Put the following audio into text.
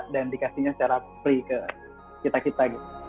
dan dikasihnya secara free ke kita kita